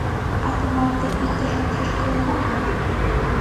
А тымарте иктажым шӱшкылынат мо?